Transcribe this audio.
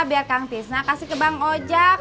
biar kang tisna kasih ke bang ojak